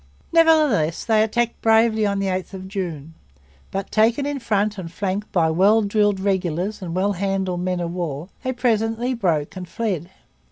Nevertheless they attacked bravely on the 8th of June. But, taken in front and flank by well drilled regulars and well handled men of war, they presently broke and fled.